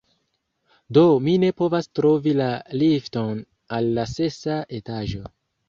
Do, mi ne povas trovi la lifton al la sesa etaĝo!